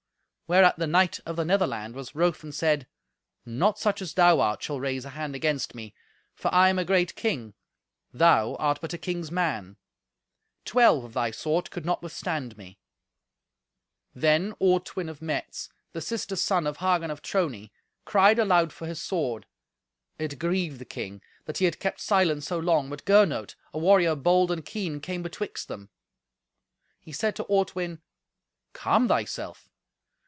Whereat the knight of the Netherland was wroth and said, "Not such as thou art shall raise a hand against me, for I am a great king; thou art but a king's man. Twelve of thy sort could not withstand me." Then Ortwin of Metz, the sister's son of Hagen of Trony, cried aloud for his sword. It grieved the king that he had kept silence so long, but Gernot, a warrior bold and keen, came betwixt them. He said to Ortwin, "Calm thyself.